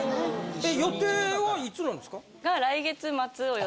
予定はいつなんですか？